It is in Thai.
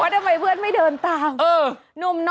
ทำไมเพื่อนไม่เดินตาม